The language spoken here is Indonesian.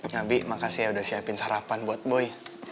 ya bi makasih ya udah siapin sarapan buat boy